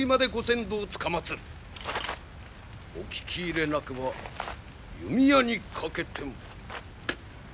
お聞き入れなくば弓矢にかけても。